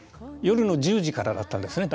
夜の１０時からだったんですね